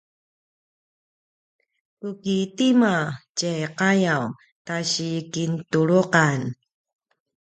tu ki tima tjai qayaw ta si kintuluqan?